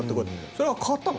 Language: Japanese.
それが変わったの？